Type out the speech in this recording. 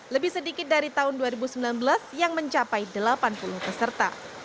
lebih sedikit dari tahun dua ribu sembilan belas yang mencapai delapan puluh peserta